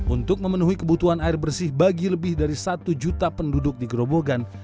untuk memenuhi kebutuhan air bersih bagi lebih dari satu juta penduduk di gerobogan